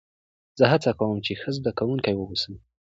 زه هڅه کوم، چي ښه زدهکوونکی واوسم.